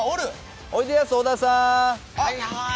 おいでやす小田さん。